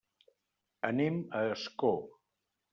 Anem a Ascó.